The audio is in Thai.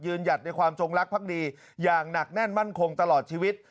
หยัดในความจงรักภักดีอย่างหนักแน่นมั่นคงตลอดชีวิต